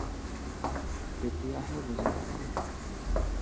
তেতিয়াহে বুজি পালোঁ